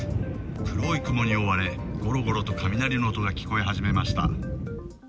黒い雲に覆われ、ごろごろと雷の音が聞こえ始めました。